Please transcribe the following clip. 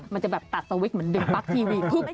มันจะตัดตะวิกเหมือนดึงปั๊กทีวี